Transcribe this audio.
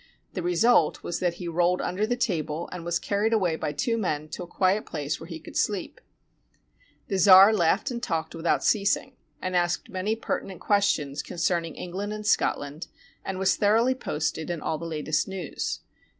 The result was that he rolled under the table, and was carried away by two men to a quiet place where he could sleep. The czar laughed and talked without ceasing, and asked many pertinent questions concerning England and Scotland, and was thoroughly posted in all the latest news.